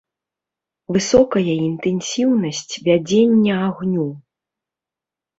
Высокая інтэнсіўнасць вядзення агню.